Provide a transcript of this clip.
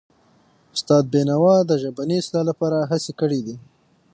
استاد بینوا د ژبني اصلاح لپاره هڅې کړی دي.